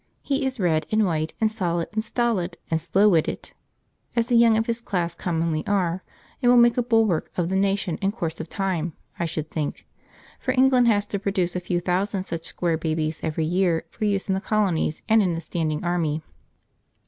He is red and white and solid and stolid and slow witted, as the young of his class commonly are, and will make a bulwark of the nation in course of time, I should think; for England has to produce a few thousand such square babies every year for use in the colonies and in the standing army.